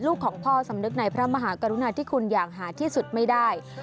ของพ่อสำนึกในพระมหากรุณาธิคุณอย่างหาที่สุดไม่ได้